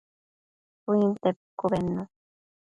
Shuinte pucu bednu